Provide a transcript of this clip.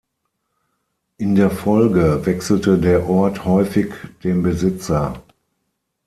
In der Folge wechselte der Ort häufig den Besitzer.